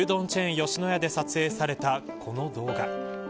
吉野家で撮影されたこの動画。